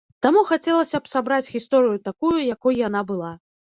Таму хацелася б сабраць гісторыю такую, якой яна была.